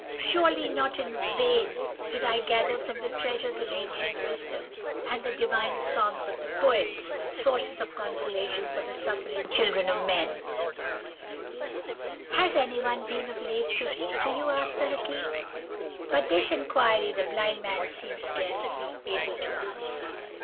Surely not in vain did I gather, from the treasures of ancient wisdom, and the divine songs of the poets, sources of consolation for the suffering children of men.' "'And has anyone been of late to read to you?' asked the Hakim. "But this inquiry the blind man seemed scarcely able to answer.